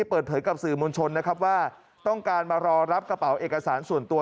เปิดเผยกับสื่อมวลชนนะครับว่าต้องการมารอรับกระเป๋าเอกสารส่วนตัว